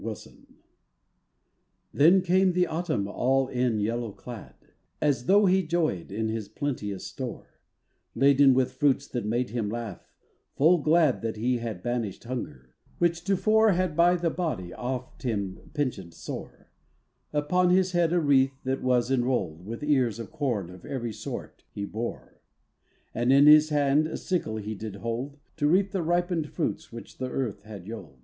AUTUMN Then came the Autumn all in yellow clad, As though he joyèd in his plenteous store, Laden with fruits that made him laugh, full glad That he had banished hunger, which to fore Had by the body oft him pinchèd sore: Upon his head a wreath, that was enroll'd With ears of corn of every sort, he bore; And in his hand a sickle he did hold, To reap the ripen'd fruits the which the earth had yold.